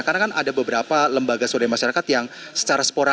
karena kan ada beberapa lembaga swadaya masyarakat yang secara spora